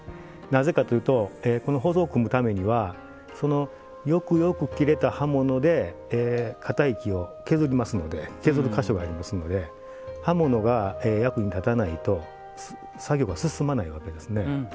なぜかというとほぞを組むためにはよくよく切れた刃物で堅い木を削る箇所がありますので刃物が役に立たないと作業が進まないわけですね。